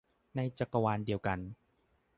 ในจักรวาลเดียวกัน